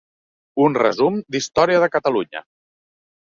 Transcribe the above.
Un resum d'història de Catalunya.